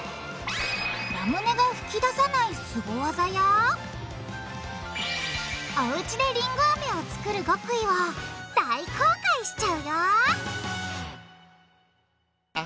ラムネが噴き出さないスゴ技やおうちでりんごアメをつくる極意を大公開しちゃうよ！